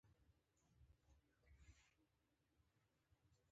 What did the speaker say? یو جول د ځواک او فاصلې ضرب دی.